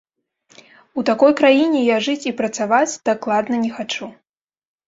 У такой краіне я жыць і працаваць дакладна не хачу.